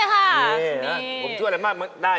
นี่นะผมช่วยอะไรมากได้